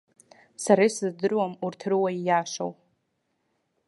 Сара исыздыруам урҭ рыуа ииашоу.